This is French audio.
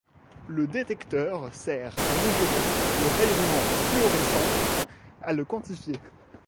Le détecteur sert à mesurer le rayonnement fluorescent, à le quantifier.